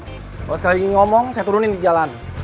kalau sekali lagi ngomong saya turunin di jalan